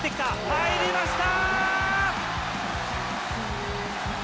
入りました！